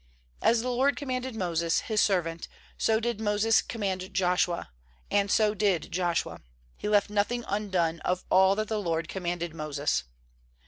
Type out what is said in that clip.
15As the LORD commanded Moses His serv ant, so did Moses command Joshua; and so did Joshua; he left nothing undone of all that the LORD com manded Moses.